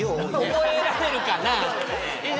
覚えられるかな？